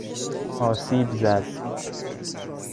آسیبزد